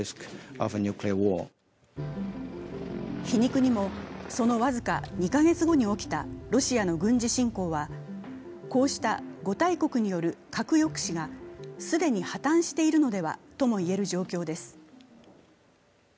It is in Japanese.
皮肉にも、その僅か２カ月後に起きたロシアの軍事侵攻はこうした５大国による核抑止が既に破綻しているのではともいえる状況です。